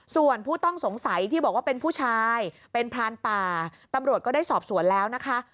ส่วนผู้ต้องสงสัยที่บอกว่าเป็นผู้ชายเป็นพรานป่าตำรวจก็ได้สอบสวนแล้วนะคะ